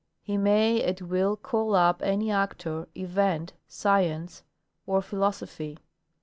He may at will call up any actor, event, science, or philosophy.